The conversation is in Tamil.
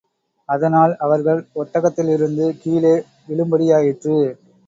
அதனால், அவர்கள் ஒட்டகத்திலிருந்து கீழே விழும்படியாயிற்று.